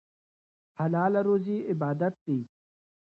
حلاله روزي عبادت دی.